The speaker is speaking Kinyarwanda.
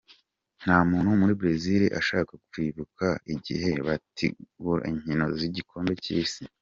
Nta muntu muri Brezil ashaka kwibuka igihe bategura inkino z'igikombe c'isi.